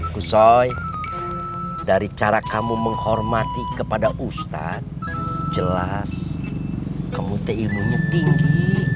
kusoy dari cara kamu menghormati kepada ustadz jelas kamu te ilmunya tinggi